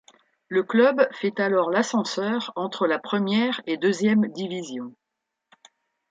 Le club fait alors l'ascenseur entre la première et deuxième division.